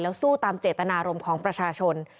สู้ตามเจตนารมณ์ของประชาชน